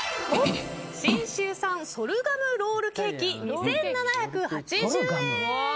信州産ソルガムロールケーキ２７８０円。